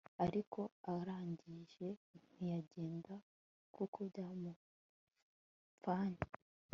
ariko arangije ntiyagenda kuko byaramupfanye